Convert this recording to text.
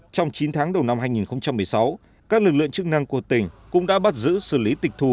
trong chín tháng đầu năm hai nghìn một mươi sáu các lực lượng chức năng của tỉnh cũng đã bắt giữ xử lý tịch thù